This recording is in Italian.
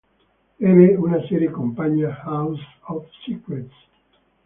Ebbe una serie compagna, "House of Secrets".